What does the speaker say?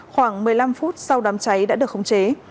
khoảng một mươi năm phút sau đám cháy đã được khống chế